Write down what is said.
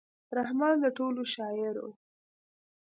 رحمان د ټولو شاعر و.